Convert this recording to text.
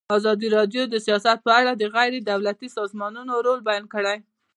ازادي راډیو د سیاست په اړه د غیر دولتي سازمانونو رول بیان کړی.